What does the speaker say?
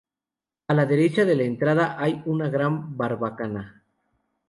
A la derecha de la entrada hay una gran barbacana.